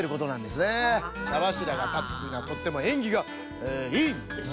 茶柱がたつというのはとってもえんぎがいいんです！